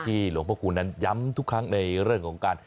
หลวงพระคุณนั้นย้ำทุกครั้งในเรื่องของการ